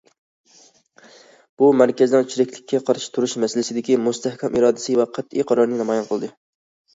بۇ، مەركەزنىڭ چىرىكلىككە قارشى تۇرۇش مەسىلىسىدىكى مۇستەھكەم ئىرادىسى ۋە قەتئىي قارارىنى نامايان قىلدى.